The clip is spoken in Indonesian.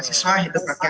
masiswa hidup rakyat